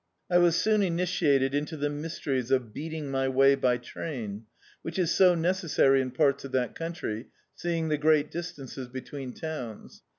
I was soon initiated into the mysteries of bcatii^ my way by train, which is so necessary in parts of that country, seeing the great distances between towns.